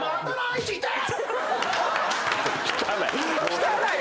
汚い！